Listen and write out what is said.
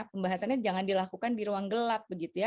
pembahasannya jangan dilakukan di ruang gelap begitu ya